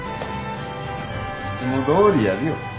いつもどおりやるよ。